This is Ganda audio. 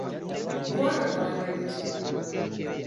Gwali gwa ngeri ki?